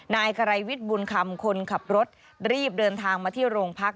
นายไกรวิทย์บุญคำคนขับรถรีบเดินทางมาที่โรงพัก